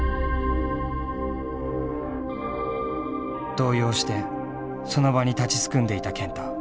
動揺してその場に立ちすくんでいた健太。